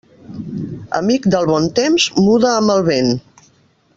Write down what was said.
Amic del bon temps muda amb el vent.